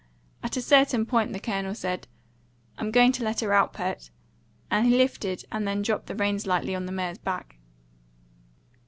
At a certain point the Colonel said, "I'm going to let her out, Pert," and he lifted and then dropped the reins lightly on the mare's back.